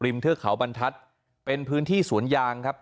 เทือกเขาบรรทัศน์เป็นพื้นที่สวนยางครับ